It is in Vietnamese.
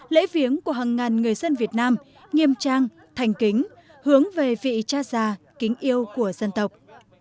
lễ viếng của hàng ngàn người dân việt nam nghiêm trang thành kính hướng về vị cha già kính yêu của dân tộc